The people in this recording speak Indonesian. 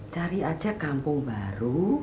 cari aja kampung baru